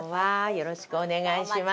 よろしくお願いします。